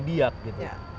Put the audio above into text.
berkembang diak gitu